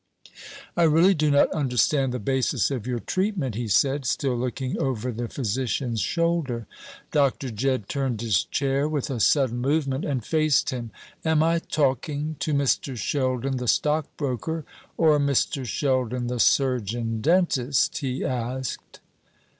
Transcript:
"I really do not understand the basis of your treatment," he said, still looking over the physician's shoulder. Dr. Jedd turned his chair with a sudden movement, and faced him. "Am I talking to Mr. Sheldon the stockbroker, or Mr. Sheldon the surgeon dentist?" he asked.